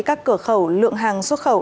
các cửa khẩu lượng hàng xuất khẩu